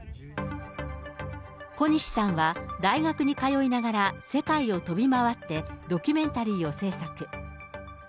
小西さんは大学に通いながら、世界を飛び回ってドキュメンタリーを制作。